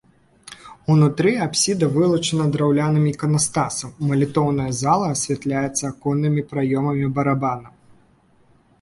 Унутры апсіда вылучана драўляным іканастасам, малітоўная зала асвятляецца аконнымі праёмамі барабана.